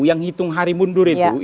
yang hitung hari mundur itu